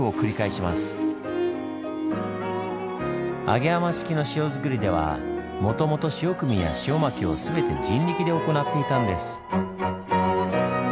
揚浜式の塩作りではもともと潮汲みや潮撒きを全て人力で行っていたんです。